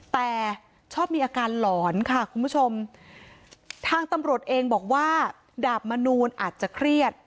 แต่ชอบมีอาการหลอนค่ะคุณผู้ชมทางตำรวจเองบอกว่าดาบมนูลอาจจะเครียด